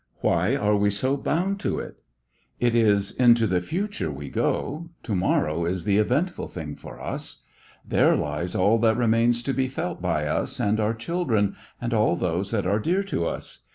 Why are we so bound to it? It is into the future we go, to morrow is the eventful thing for us. There lies all that remains to be felt by us and our children and all those that are dear to us.